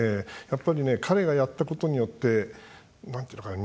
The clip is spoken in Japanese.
やっぱりね、彼がやったことによって、なんていうのかな。